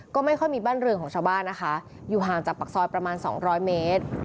ก็ไม่ค่อยมีบ้านเรืองของชาวบ้านนะคะอยู่ห่างจากปากซอยประมาณสองร้อยเมตร